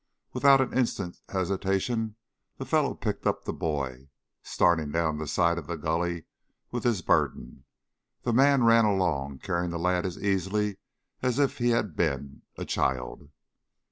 Without an instant's hesitation the fellow picked up the boy, starting down the side of the gully with his burden. The man ran along carrying the lad as easily as if he had been a child.